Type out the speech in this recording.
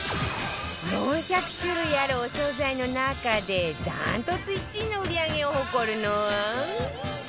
４００種類あるお惣菜の中で断トツ１位の売り上げを誇るのは